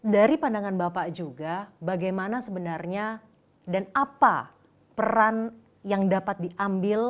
dari pandangan bapak juga bagaimana sebenarnya dan apa peran yang dapat diambil